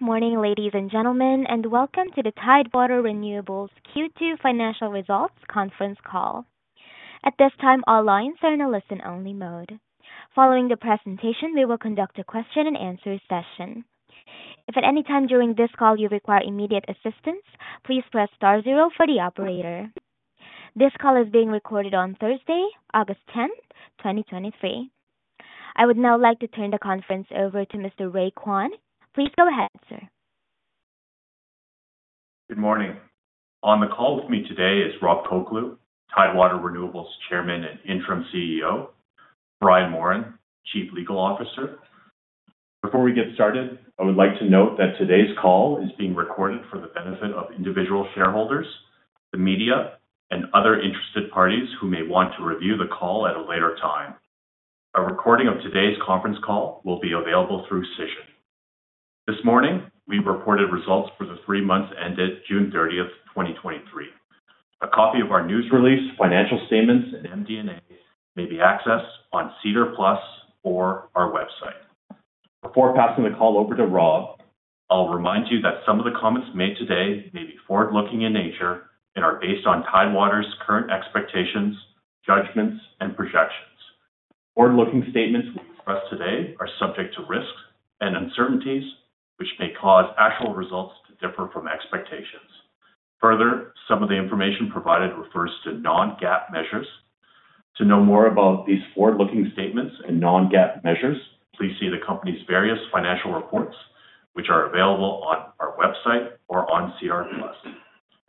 Good morning, ladies and gentlemen, and welcome to the Tidewater Renewables Q2 Financial Results conference call. At this time, all lines are in a listen-only mode. Following the presentation, we will conduct a Q&A session. If at any time during this call you require immediate assistance, please press star zero for the operator. This call is being recorded on Thursday, August 10th, 2023. I would now like to turn the conference over to Ray Kwan. Please go ahead, sir. Good morning. On the call with me today is Rob Colcleugh, Tidewater Renewables Chairman and Interim CEO, Brian Moran, Chief Legal Officer. Before we get started, I would like to note that today's call is being recorded for the benefit of individual shareholders, the media, and other interested parties who may want to review the call at a later time. A recording of today's conference call will be available through Cision. This morning, we reported results for the three months ended June 30th, 2023. A copy of our news release, financial statements, and MD&A may be accessed on SEDAR+ or our website. Before passing the call over to Rob Colcleugh, I'll remind you that some of the comments made today may be forward-looking in nature and are based on Tidewater's current expectations, judgments, and projections. Forward-looking statements we express today are subject to risks and uncertainties, which may cause actual results to differ from expectations. Further, some of the information provided refers to non-GAAP measures. To know more about these forward-looking statements and non-GAAP measures, please see the company's various financial reports, which are available on our website or on SEDAR+.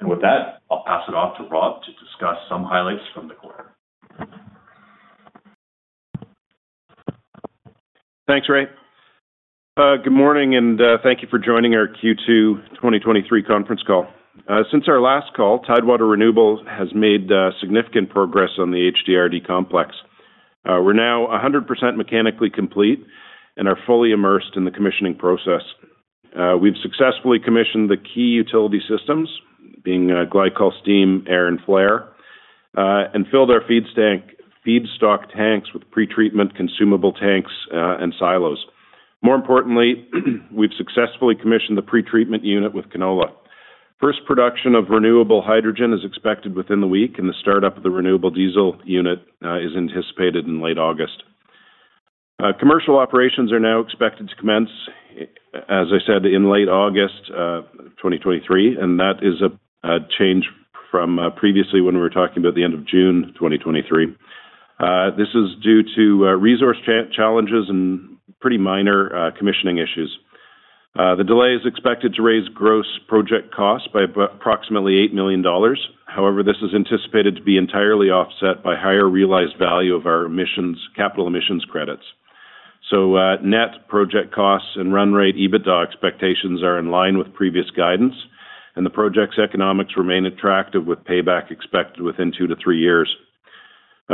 With that, I'll pass it off to Rob Colcleugh to discuss some highlights from the call. Thanks, Ray Kwan. Good morning, thank you for joining our Q2 2023 conference call. Since our last call, Tidewater Renewables has made significant progress on the HDRD Complex. We're now 100% mechanically complete and are fully immersed in the commissioning process. We've successfully commissioned the key utility systems, being glycol, steam, air, and flare, and filled our feedstock tanks with pretreatment consumable tanks and silos. More importantly, we've successfully commissioned the pretreatment unit with canola. First production of Renewable Hydrogen is expected within the week, and the startup of the Renewable Diesel unit is anticipated in late August. Commercial operations are now expected to commence, as I said, in late August 2023, that is a change from previously when we were talking about the end of June 2023. This is due to resource challenges and pretty minor commissioning issues. The delay is expected to raise gross project costs by approximately $8 million. This is anticipated to be entirely offset by higher realized value of our emissions, capital emissions credits. Net project costs and run rate EBITDA expectations are in line with previous guidance, and the project's economics remain attractive, with payback expected within two years-three years.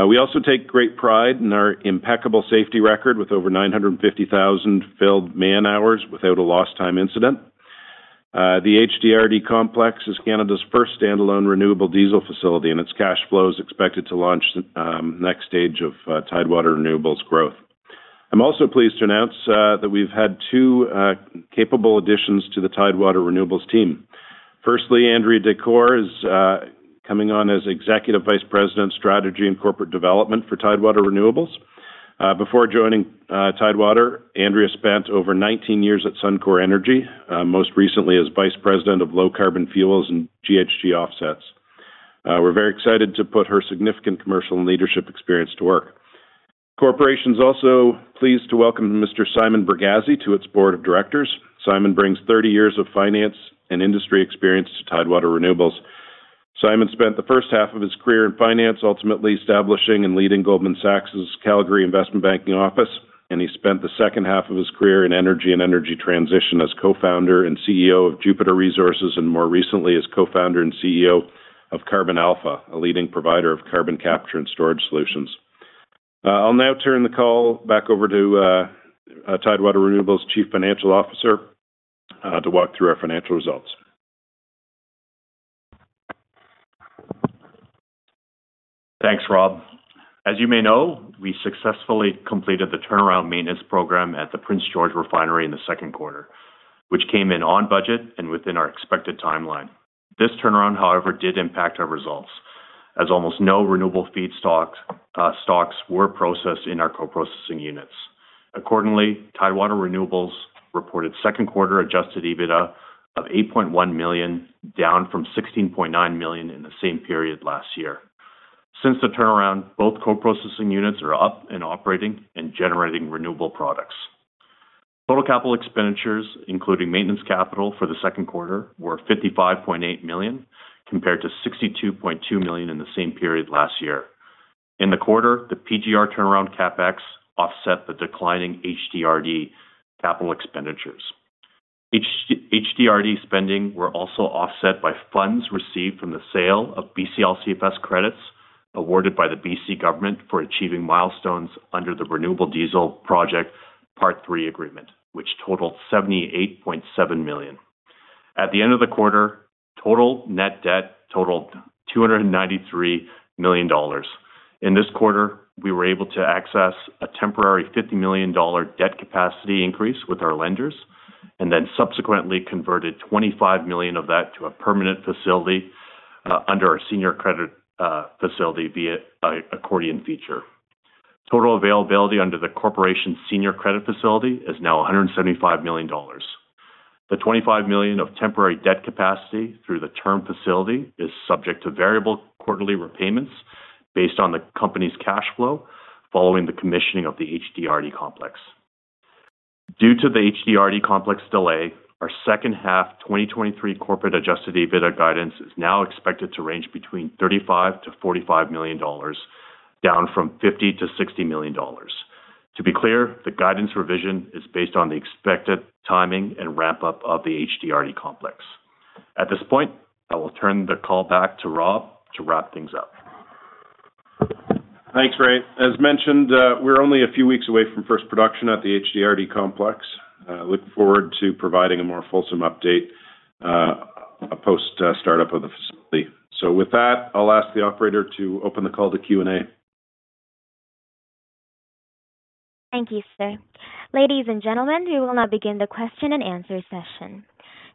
We also take great pride in our impeccable safety record, with over 950,000 filled man hours without a lost time incident. The HDRD Complex is Canada's first standalone Renewable Diesel facility, and its cash flow is expected to launch the next stage of Tidewater Renewables' growth. I'm also pleased to announce that we've had two capable additions to the Tidewater Renewables team. Firstly, Andrea Decore, coming on as Executive Vice President, Strategy and Corporate Development for Tidewater Renewables. Before joining Tidewater, Andrea Decore spent over 19 years at Suncor Energy, most recently as Vice President of Low Carbon Fuels and GHG Offsets. We're very excited to put her significant commercial and leadership experience to work. Corporation's also pleased to welcome Mr. Simon Bregazzi to its Board of Directors. Simon Bregazzi brings 30 years of finance and industry experience to Tidewater Renewables. Simon Bregazzi spent the H1 of his career in finance, ultimately establishing and leading Goldman Sachs' Calgary Investment Banking office, and he spent the H2 of his career in energy and energy transition as Co-Founder and CEO of Jupiter Resources, and more recently, as Co-Founder and CEO of Carbon Alpha, a leading provider of carbon capture and storage solutions. I'll now turn the call back over to Tidewater Renewables' Chief Financial Officer to walk through our financial results. Thanks, Rob Colcleugh. As you may know, we successfully completed the turnaround maintenance program at the Prince George Refinery in the Q2, which came in on budget and within our expected timeline. This turnaround, however, did impact our results, as almost no renewable feedstocks, stocks were processed in our co-processing units. Accordingly, Tidewater Renewables reported Q2 Adjusted EBITDA of 8.1 million, down from 16.9 million in the same period last year. Since the turnaround, both co-processing units are up and operating and generating renewable products. Total capital expenditures, including maintenance capital for the Q2, were 55.8 million, compared to 62.2 million in the same period last year. In the quarter, the PGR turnaround CapEx offset the declining HDRD capital expenditures. HDRD spending were also offset by funds received from the sale of BC LCFS credits awarded by the BC government for achieving milestones under the Renewable Diesel Project Part 3 Agreement, which totaled 78.7 million. At the end of the quarter, total net debt totaled 293 million dollars. In this quarter, we were able to access a temporary 50 million dollar debt capacity increase with our lenders, and then subsequently converted 25 million of that to a permanent facility under our senior credit facility via an accordion feature. Total availability under the corporation's senior credit facility is now 175 million dollars. The 25 million of temporary debt capacity through the term facility is subject to variable quarterly repayments based on the company's cash flow following the commissioning of the HDRD complex. Due to the HDRD Complex delay, our H2, 2023 corporate adjusted EBITDA guidance is now expected to range between $35 million-$45 million, down from $50 million-$60 million. To be clear, the guidance revision is based on the expected timing and ramp-up of the HDRD Complex. At this point, I will turn the call back to Rob Colcleugh to wrap things up. Thanks, Ray Kwan. As mentioned, we're only a few weeks away from first production at the HDRD Complex. Look forward to providing a more fulsome update, post startup of the facility. With that, I'll ask the operator to open the call to Q&A. Thank you, sir. Ladies and gentlemen, we will now begin the question-and-answer session.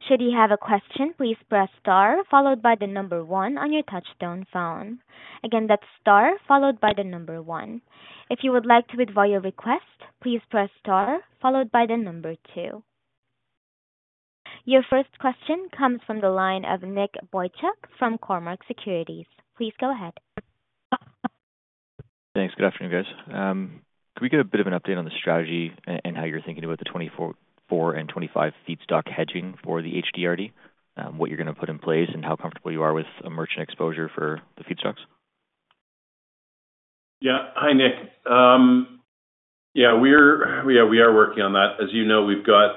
Should you have a question, please press star followed by one on your touch-tone phone. Again, that's star followed by one. If you would like to withdraw your request, please press star followed by two. Your first question comes from the line of Nicholas Boychuk from Cormark Securities. Please go ahead. Thanks. Good afternoon, guys. Can we get a bit of an update on the strategy and how you're thinking about the 2024 and 2025 feedstock hedging for the HDRD, what you're going to put in place and how comfortable you are with a merchant exposure for the feedstocks? Yeah. Hi, Nicholas Boychuk. We are working on that. As you know, we've got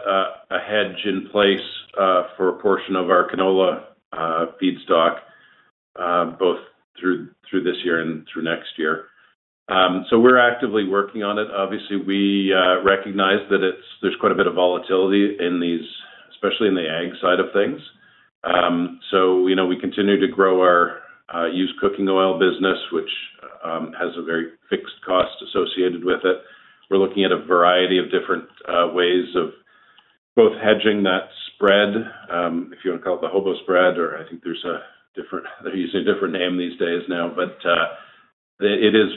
a hedge in place for a portion of our canola feedstock, both through this year and through next year. We're actively working on it. Obviously, we recognize that there's quite a bit of volatility in these, especially in the ag side of things. You know, we continue to grow our used cooking oil business, which has a very fixed cost associated with it. We're looking at a variety of different ways of both hedging that spread, if you want to call it the HOBO spread, or I think there's a different, they're using a different name these days now, it is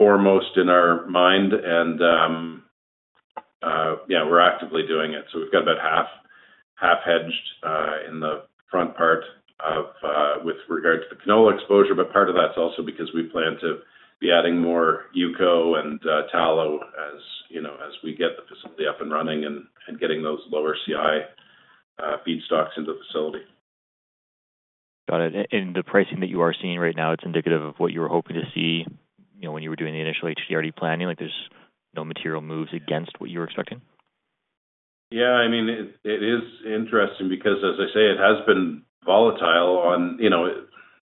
foremost in our mind and, yeah, we're actively doing it. We've got about half, half hedged in the front part of with regard to the canola exposure. Part of that's also because we plan to be adding more UCO and Tallow, as, you know, as we get the facility up and running and getting those lower CI feedstocks into the facility. Got it. The pricing that you are seeing right now, it's indicative of what you were hoping to see, you know, when you were doing the initial HDRD planning, like there's no material moves against what you were expecting? Yeah, I mean, it, it is interesting because, as I say, it has been volatile on, you know,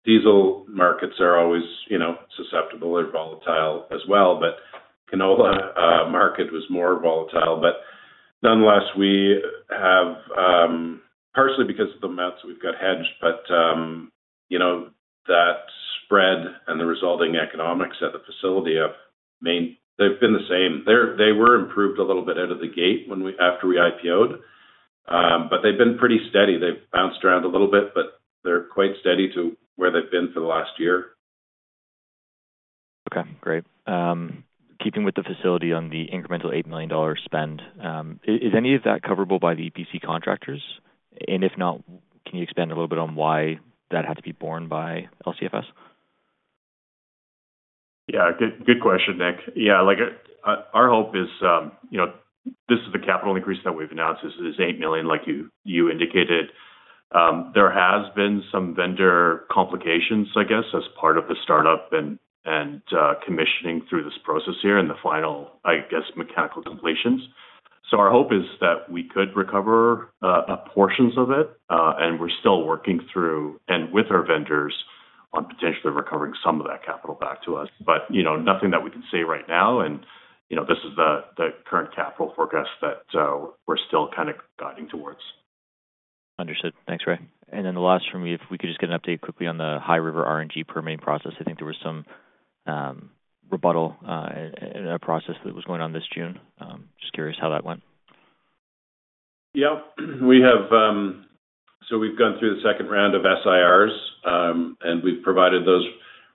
diesel markets are always, you know, susceptible or volatile as well. canola, market was more volatile. Nonetheless, we have, partially because of the amounts we've got hedged, but, you know, that spread and the resulting economics at the facility have they've been the same. They were improved a little bit out of the gate when we, after we IPO'd. They've been pretty steady. They've bounced around a little bit, but they're quite steady to where they've been for the last year. Okay, great. Keeping with the facility on the incremental 8 million dollar spend, is any of that coverable by the EPC contractors? If not, can you expand a little bit on why that had to be borne by LCFS? Yeah, good, good question, Nicholas Boychuk. Yeah, like, our, our hope is, you know, this is the capital increase that we've announced. This is 8 million, like you, you indicated. There has been some vendor complications, I guess, as part of the startup and, commissioning through this process here and the final, I guess, mechanical completions. Our hope is that we could recover portions of it, and we're still working through and with our vendors on potentially recovering some of that capital back to us. You know, nothing that we can say right now, and, you know, this is the, the current capital forecast that we're still kind of guiding towards. Understood. Thanks, Ray Kwan. Then the last for me, if we could just get an update quickly on the High River RNG permitting process. I think there was some rebuttal in that process that was going on this June. Just curious how that went. Yep. We have. We've gone through the second round of SIRs, and we've provided those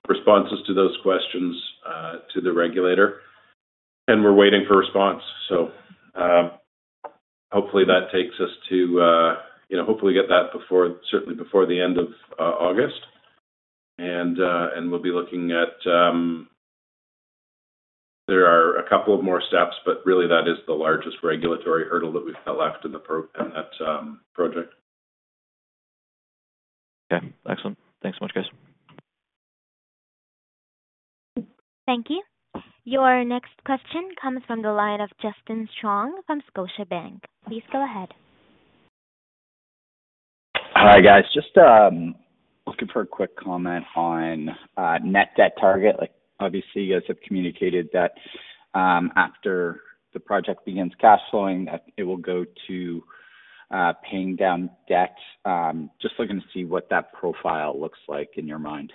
responses to those questions, to the regulator, and we're waiting for a response. Hopefully, that takes us to, you know, hopefully get that before certainly before the end of August. We'll be looking at, there are a couple of more steps, but really, that is the largest regulatory hurdle that we've left in that, project. Okay, excellent. Thanks so much, guys. Thank you. Your next question comes from the line of Justin Chong from Scotiabank. Please go ahead. Hi, guys. Just looking for a quick comment on net debt target. Like, obviously, you guys have communicated that, after the project begins cash flowing, that it will go to paying down debt. Just looking to see what that profile looks like in your mind.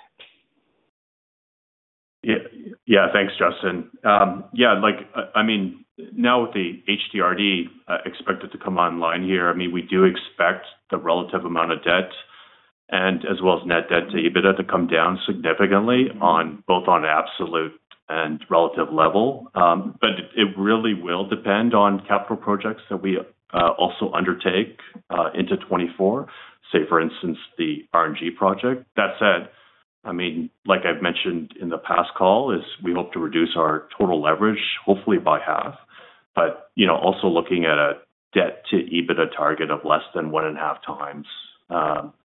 Yeah, thanks, Justin Chong. Yeah, like, I mean, now with the HDRD expected to come online here, I mean, we do expect the relative amount of debt and as well as net debt to EBITDA to come down significantly on both on absolute and relative level. But it, it really will depend on capital projects that we also undertake into 2024, say, for instance, the RNG project. That said, I mean, like I've mentioned in the past call, is we hope to reduce our total leverage, hopefully by half. you know, also looking at a debt to EBITDA target of less than 1.5x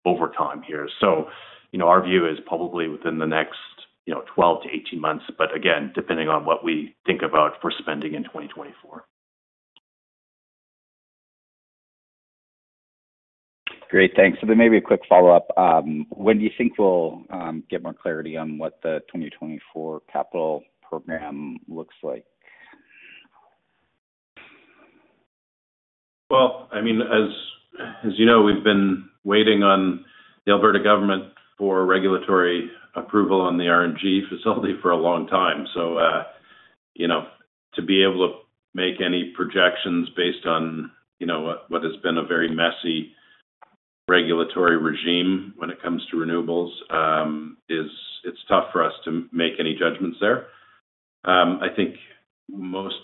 over time here. you know, our view is probably within the next, you know, 12 months-18 months, but again, depending on what we think about for spending in 2024. Great. Thanks. There may be a quick follow-up. When do you think we'll get more clarity on what the 2024 capital program looks like? Well, I mean, as, as you know, we've been waiting on the Alberta government for regulatory approval on the RNG facility for a long time. You know, to be able to make any projections based on, you know, what, what has been a very messy regulatory regime when it comes to renewables, it's tough for us to make any judgments there. I think most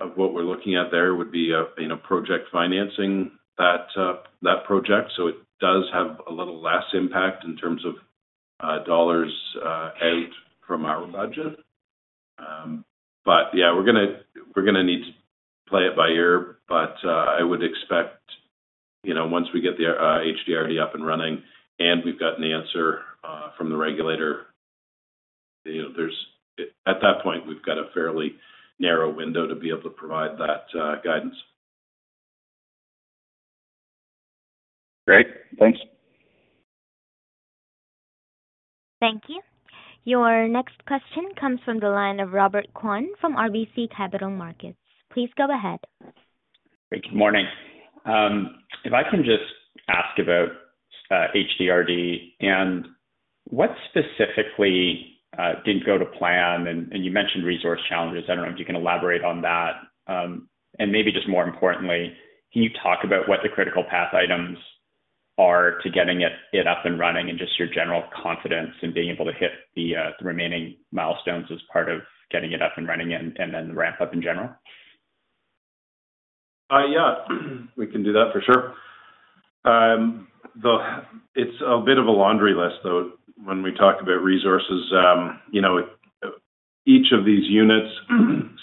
of what we're looking at there would be a, you know, project financing that project, so it does have a little less impact in terms of dollars out from our budget. Yeah, we're gonna, we're gonna need to play it by ear, but I would expect, you know, once we get the HDRD up and running, and we've got an answer from the regulator, you know, there's, at that point, we've got a fairly narrow window to be able to provide that guidance. Great. Thanks. Thank you. Your next question comes from the line of Robert Kwan from RBC Capital Markets. Please go ahead. Good morning. If I can just ask about HDRD and what specifically didn't go to plan? You mentioned resource challenges. I don't know if you can elaborate on that. Maybe just more importantly, can you talk about what the critical path items are to getting it up and running and just your general confidence in being able to hit the remaining milestones as part of getting it up and running and then the ramp-up in general? Yeah, we can do that for sure. It's a bit of a laundry list, though, when we talk about resources. You know, each of these units,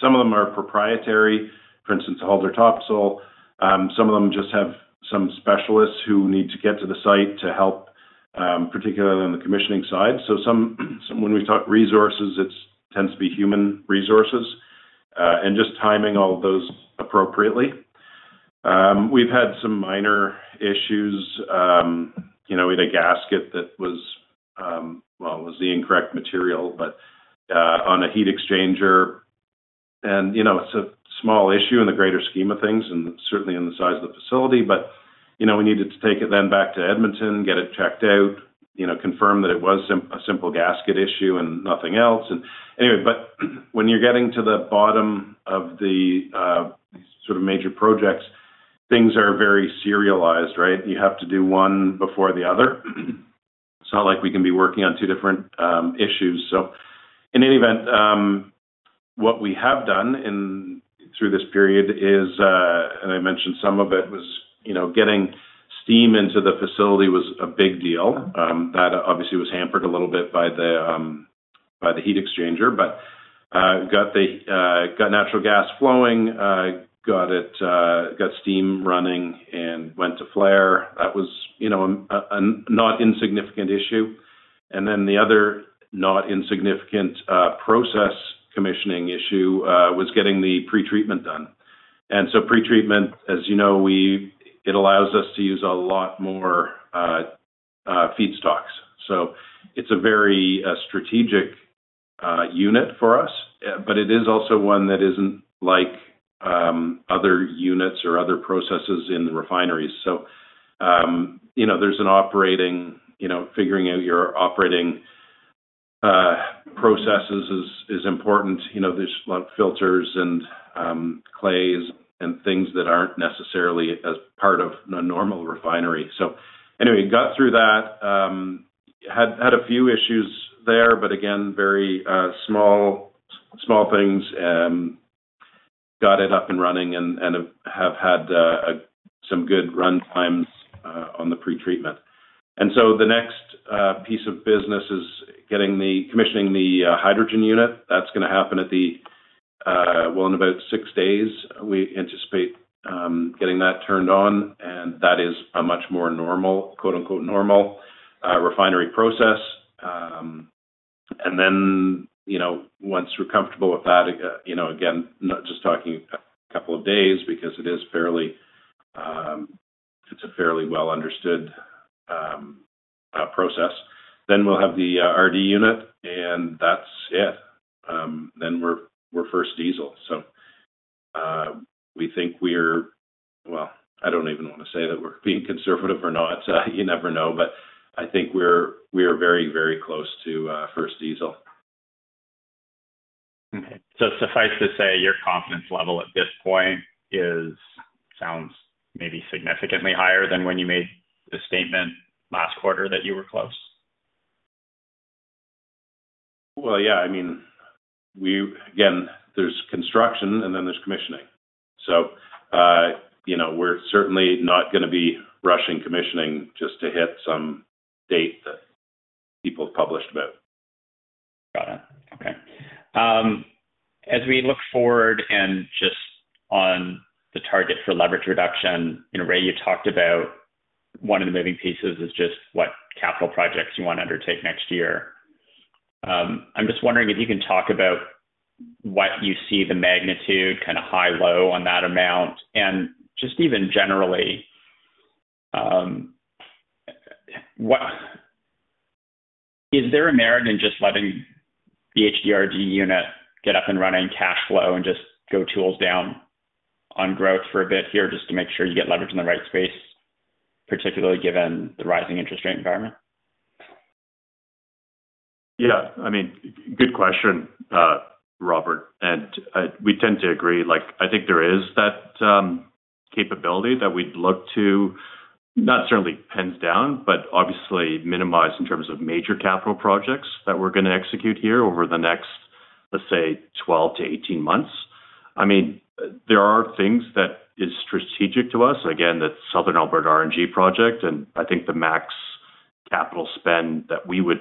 some of them are proprietary, for instance, Haldor Topsoe. Some of them just have some specialists who need to get to the site to help, particularly on the commissioning side. Some, when we talk resources, it's tends to be human resources, and just timing all of those appropriately. We've had some minor issues, you know, with a gasket that was, well, it was the incorrect material, but, on a heat exchanger. You know, it's a small issue in the greater scheme of things and certainly in the size of the facility, but, you know, we needed to take it then back to Edmonton, get it checked out, you know, confirm that it was a simple gasket issue and nothing else. Anyway, but when you're getting to the bottom of the sort of major projects, things are very serialized, right? You have to do one before the other. It's not like we can be working on two different issues. In any event, what we have done through this period is, and I mentioned some of it was, you know, getting steam into the facility was a big deal. That obviously was hampered a little bit by the by the heat exchanger. Got the, got natural gas flowing, got it, got steam running and went to flare. That was, you know, a not insignificant issue. Then the other not insignificant process commissioning issue was getting the pretreatment done. Pre-treatment, as you know, it allows us to use a lot more feedstocks. It's a very strategic unit for us, but it is also one that isn't like other units or other processes in the refineries. You know, there's an operating, you know, figuring out your operating processes is important. You know, there's filters and clays and things that aren't necessarily as part of a normal refinery. Anyway, got through that. Had, had a few issues there, but again, very small, small things, got it up and running and, and have, have had some good run times on the pretreatment. The next piece of business is getting the-- commissioning the hydrogen unit. That's gonna happen at the... well, in about six days, we anticipate getting that turned on, and that is a much more normal, quote-unquote, normal refinery process. You know, once we're comfortable with that, you know, again, not just talking a couple of days because it is fairly, it's a fairly well understood process. Then we'll have the RD unit, and that's it. Then we're, we're first diesel. We think we're-- Well, I don't even want to say that we're being conservative or not. You never know, but I think we're, we're very, very close to, first diesel. Okay. Suffice to say, your confidence level at this point is, sounds maybe significantly higher than when you made the statement last quarter that you were close? Well, yeah, I mean, we... Again, there's construction and then there's commissioning. You know, we're certainly not going to be rushing commissioning just to hit some date that people have published about. Got it. Okay. As we look forward and just on the target for leverage reduction, you know, Ray Kwan, you talked about one of the moving pieces is just what capital projects you want to undertake next year. I'm just wondering if you can talk about what you see the magnitude, kind of, high, low on that amount, and just even generally, is there a merit in just letting the HDRD unit get up and running cash flow and just go tools down on growth for a bit here just to make sure you get leverage in the right space, particularly given the rising interest rate environment? Yeah. I mean, good question, Robert Kwan, and we tend to agree. Like, I think there is that capability that we'd look to, not certainly pens down, but obviously minimize in terms of major capital projects that we're going to execute here over the next, let's say, 12 months-18 months. I mean, there are things that is strategic to us. Again, the Rimrock RNG Facility project, and I think the max capital spend that we would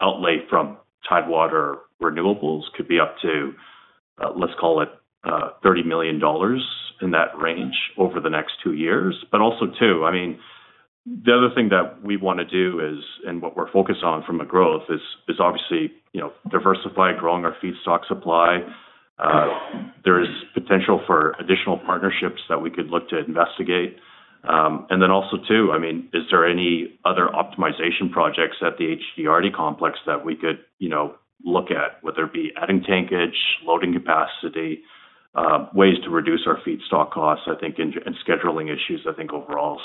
outlay from Tidewater Renewables could be up to, let's call it, 30 million dollars, in that range, over the next two years. Also, too, I mean, the other thing that we want to do is, and what we're focused on from a growth is, is obviously, you know, diversify, growing our feedstock supply. There is potential for additional partnerships that we could look to investigate. Then also, too, I mean, is there any other optimization projects at the HDRD Complex that we could, you know, look at, whether it be adding tankage, loading capacity, ways to reduce our feedstock costs, I think, and, and scheduling issues, I think, overall.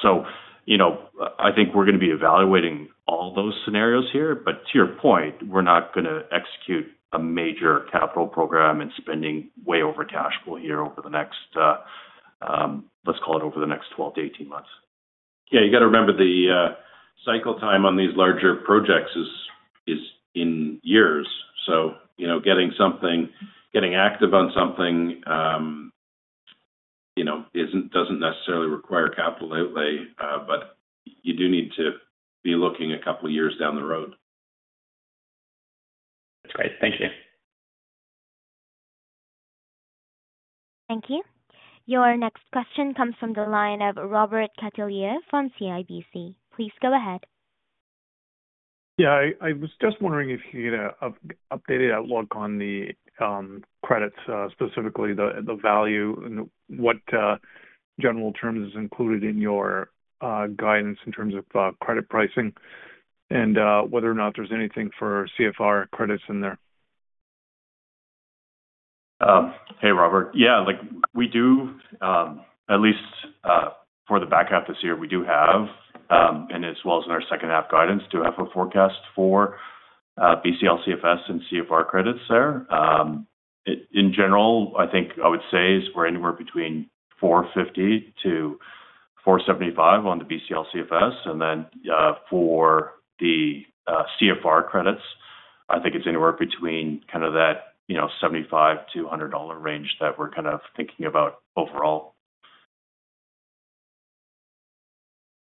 You know, I think we're going to be evaluating all those scenarios here, but to your point, we're not going to execute a major capital program and spending way over cash flow here over the next, let's call it over the next 12 months-18 months. You got to remember the cycle time on these larger projects is, is in years. You know, getting something, getting active on something, you know, isn't-- doesn't necessarily require capital outlay, but you do need to be looking a couple of years down the road. That's great. Thank you. Thank you. Your next question comes from the line of Robert Catellier from CIBC. Please go ahead. Yeah, I, I was just wondering if you could update outlook on the credits, specifically the value and what general terms is included in your guidance in terms of credit pricing and whether or not there's anything for CFR credits in there. Hey, Robert Catellier. Yeah, like, we do, at least, for the back half this year, we do have, and as well as in our second-half guidance, do have a forecast for BC LCFS and CFR credits there. In general, I think I would say is we're anywhere between 450-475 on the BC LCFS, and then, for the CFR credits, I think it's anywhere between kind of that, you know, 75-100 dollar range that we're kind of thinking about overall.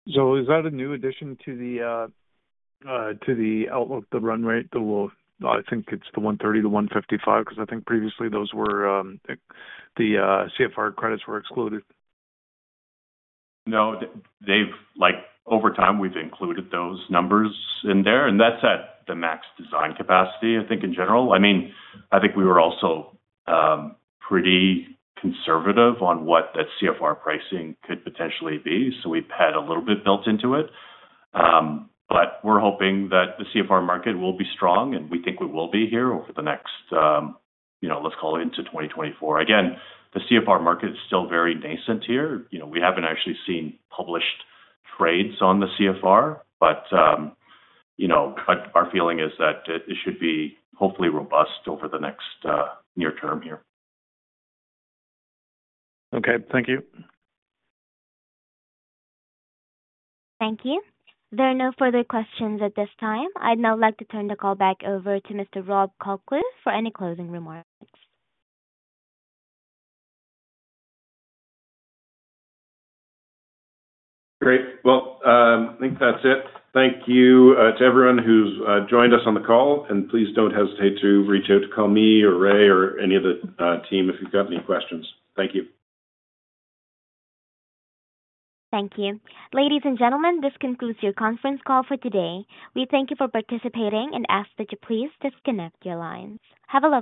Is that a new addition to the outlook, the run rate? I think it's the 130-155, because I think previously those were, the CFR credits were excluded. No, they've. Like, over time, we've included those numbers in there, and that's at the max design capacity, I think, in general. I mean, I think we were also pretty conservative on what that CFR pricing could potentially be, so we've had a little bit built into it. We're hoping that the CFR market will be strong, and we think we will be here over the next, you know, let's call it into 2024. Again, the CFR market is still very nascent here. You know, we haven't actually seen published trades on the CFR, but, you know, but our feeling is that it, it should be hopefully robust over the next, near term here. Okay. Thank you. Thank you. There are no further questions at this time. I'd now like to turn the call back over to Mr. Rob Colcleugh for any closing remarks. Great. Well, I think that's it. Thank you to everyone who's joined us on the call, and please don't hesitate to reach out to call me, or Ray Kwan, or any of the team if you've got any questions. Thank you. Thank you. Ladies and gentlemen, this concludes your conference call for today. We thank you for participating and ask that you please disconnect your lines. Have a lovely day.